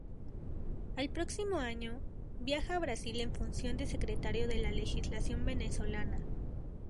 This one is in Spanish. Al próximo año, viaja a Brasil en función de secretario de la Legación venezolana.